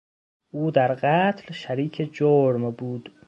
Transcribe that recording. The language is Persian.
او در قتل شریک جرم بود.